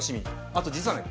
あと実はね